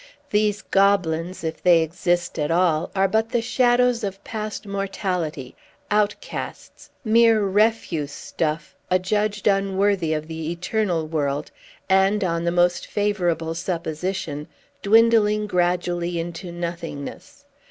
These goblins, if they exist at all, are but the shadows of past mortality, outcasts, mere refuse stuff, adjudged unworthy of the eternal world, and, on the most favorable supposition, dwindling gradually into nothingness.